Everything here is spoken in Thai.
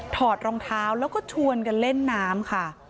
อดรองเท้าแล้วก็ชวนกันเล่นน้ำค่ะ